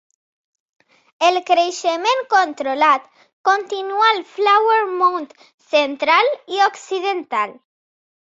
El creixement controlat continua al Flower Mound central i occidental.